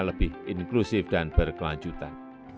lebih inklusif dan berkelanjutan